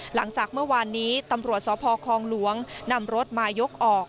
หลังจากเมื่อวานนี้ตำรวจสพคลองหลวงนำรถมายกออก